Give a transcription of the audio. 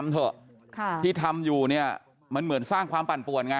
เถอะที่ทำอยู่เนี่ยมันเหมือนสร้างความปั่นป่วนไง